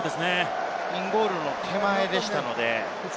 インゴールの手前でしたので。